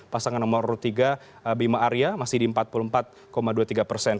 pasangan nomor tiga bima arya masih di empat puluh empat dua puluh tiga persen